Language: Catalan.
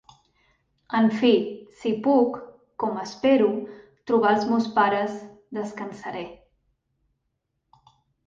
En fi, si puc, com espero, trobar els meus pares, descansaré.